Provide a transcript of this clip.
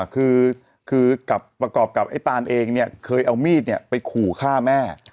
คือประกอบกับไอ้ตานเองเนี่ยเคยเอามีดไปขู่ฆ่าแม่